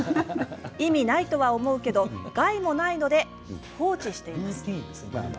意味ないとは思うけど害もないので放置しています。